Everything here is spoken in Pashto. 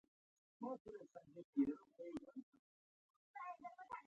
روزګار یې په ځوانۍ کې د زړبودۍ ډالۍ ورکړې وه.